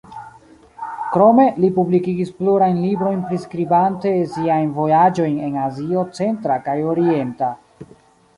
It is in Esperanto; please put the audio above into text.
Krome, li publikigis plurajn librojn priskribante siajn vojaĝojn en Azio centra kaj orienta.